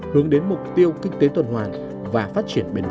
hướng đến mục tiêu kinh tế tuần hoàn và phát triển bền vững